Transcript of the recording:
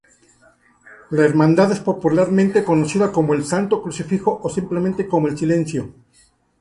La hermandad es popularmente conocida como "el Santo Crucifijo" o simplemente como "el Silencio".